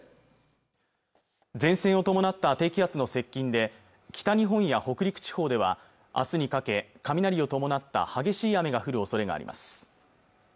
前線を伴った低気圧の接近で北日本や北陸地方では明日にかけ雷を伴った激しい雨が降るおそれがあります